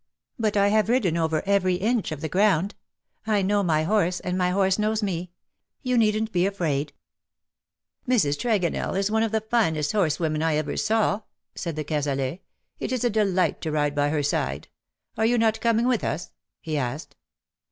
But I have ridden over every inch of the ground. I know my horse, and my horse knows me. You needn't be afraid." " Mrs. Tregonell is one of the finest horsewomen I ever saw," said de Cazalet. ^' It is a delight to ride by her side. Are not you coming with us ?" he asked.